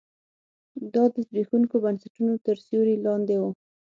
دا د زبېښونکو بنسټونو تر سیوري لاندې و.